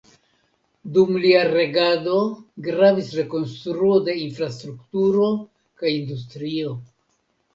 Dum lia regado gravis rekonstruo de infrastrukturo kaj industrio.